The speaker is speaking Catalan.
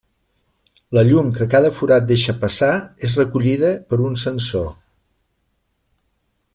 La llum que cada forat deixa passar és recollida per un sensor.